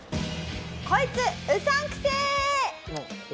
「こいつうさんくせえ！！」。